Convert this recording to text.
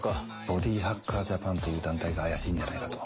ボディハッカージャパンという団体が怪しいんじゃないかと。